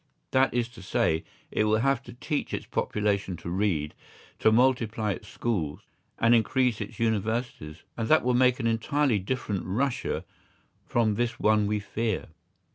That is to say, it will have to teach its population to read, to multiply its schools, and increase its universities; and that will make an entirely different Russia from this one we fear.